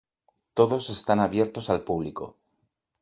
Todos están abiertos al público.